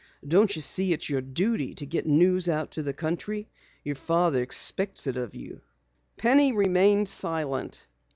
Don't you see it's your duty to get news out to the country? Your father expects it of you." Penny remained silent.